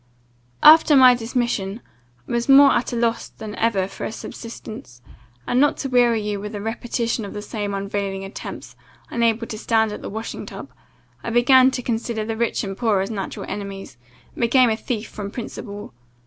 "After my dismission, I was more at a loss than ever for a subsistence, and, not to weary you with a repetition of the same unavailing attempts, unable to stand at the washing tub, I began to consider the rich and poor as natural enemies, and became a thief from principle.